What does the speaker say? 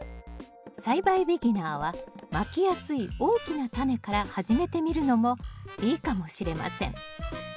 栽培ビギナーはまきやすい大きなタネから始めてみるのもいいかもしれません。